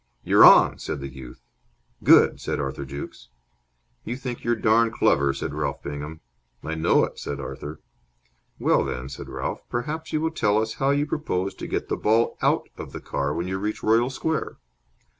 "You're on," said the youth. "Good!" said Arthur Jukes. "You think you're darned clever," said Ralph Bingham. "I know it," said Arthur. "Well, then," said Ralph, "perhaps you will tell us how you propose to get the ball out of the car when you reach Royal Square?"